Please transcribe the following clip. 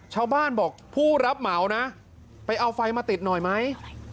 ชาวบ้านบอกผู้รับเหมานะไปเอาไฟมาติดหน่อยไหม